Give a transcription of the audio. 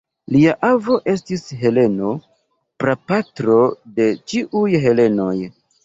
Lia avo estis Heleno, prapatro de ĉiuj helenoj.